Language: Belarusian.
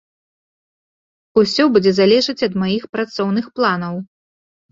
Усё будзе залежыць ад маіх працоўных планаў.